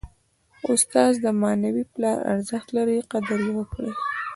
استاد د معنوي پلار ارزښت لري. قدر ئې وکړئ!